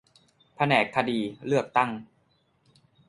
แผนกคดีเลือกตั้ง